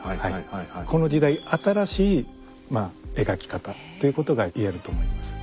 この時代新しい描き方ということが言えると思います。